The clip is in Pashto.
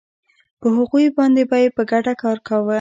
په هغوی باندې به یې په ګډه کار کاوه